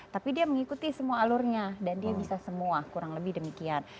tapi dia mengikuti semua alurnya dan dia bisa semua kurang lebih demikian